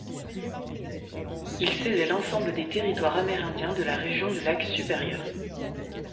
Il cédait l'ensemble des territoires amérindiens de la région du lac Supérieur.